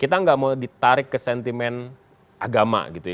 kita nggak mau ditarik ke sentimen agama gitu ya